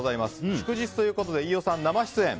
祝日ということで飯尾さん、生出演。